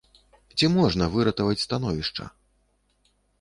Ці можна выратаваць становішча?